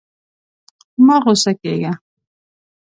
مه غوسه کېږه.